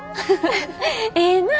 ええなぁ！